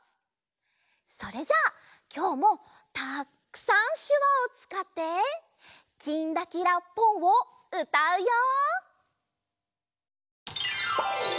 それじゃきょうもたくさんしゅわをつかって「きんらきらぽん」をうたうよ！